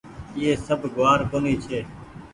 ايئي سب گوآر ڪونيٚ ڇي